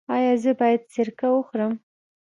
ایا زه باید سرکه وخورم؟